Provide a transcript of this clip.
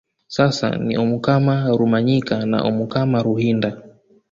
Sasa ni omukama Rumanyika na omukama Ruhinda